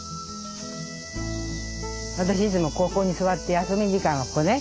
私いつもここに座って休み時間がここね。